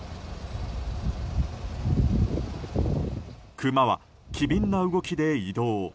クマは機敏な動きで移動。